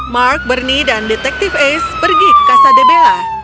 mark bernie dan detektif ace pergi ke kasa debela